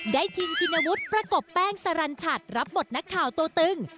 ได้ชินชินวุฒิประกบแป้งสรรัญชัดรับบทนักข่าวโตตึง